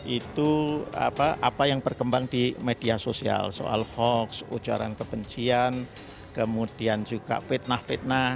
itu apa yang berkembang di media sosial soal hoax ujaran kebencian kemudian juga fitnah fitnah